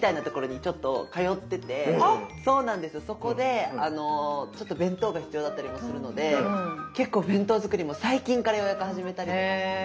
そこでちょっと弁当が必要だったりもするので結構弁当作りも最近からようやく始めたりとかして。